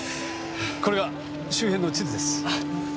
これが周辺の地図です。